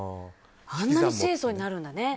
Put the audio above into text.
あんなに清楚になるんだね。